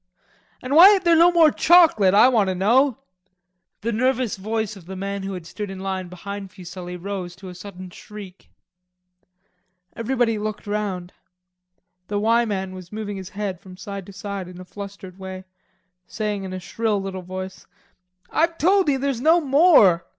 "And why ain't there no more chocolate, I want to know?" the nervous voice of the man who had stood in line behind Fuselli rose to a sudden shriek. Everybody looked round. The "Y" man was moving his head from side to side in a flustered way, saying in a shrill little voice: "I've told you there's no more.